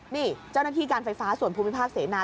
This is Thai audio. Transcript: นี่เจ้าหน้าที่การไฟฟ้าส่วนภูมิภาคเสนา